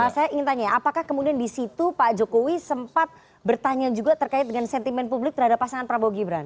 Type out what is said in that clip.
saya ingin tanya apakah kemudian di situ pak jokowi sempat bertanya juga terkait dengan sentimen publik terhadap pasangan prabowo gibran